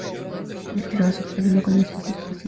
Ese año la retirada se tituló "El Loco De La Estación".